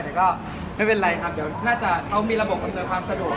แต่ก็ไม่เป็นไรครับเขามีระบบอันโนมัยความสะดวก